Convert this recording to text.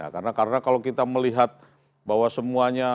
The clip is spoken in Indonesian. karena kalau kita melihat bahwa semuanya gelap